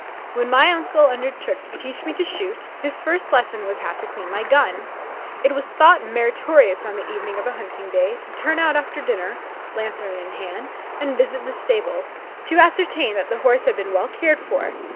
When my uncle undertook to teach me to shoot, his first lesson was how to clean my own gun. It was thought meritorious on the evening of a hunting day, to turn out after dinner, lanthorn in hand, and visit the stable, to ascertain that the horse had been well cared for.